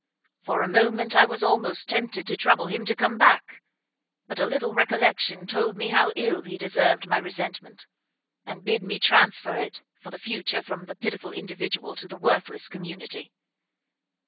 For a moment I was almost tempted to trouble him to come back; but a little recollection told me how ill he deserved my resentment, and bid me transfer it for the future from the pitiful individual to the worthless community.